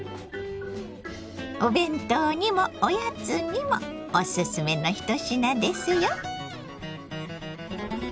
お弁当にもおやつにもおすすめの１品ですよ。